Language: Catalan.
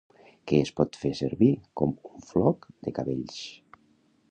Que es pot fer servir com un floc de cabells.